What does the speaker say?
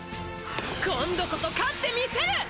今度こそ勝ってみせる！